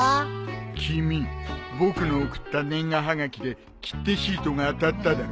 君僕の送った年賀はがきで切手シートが当たっただろ。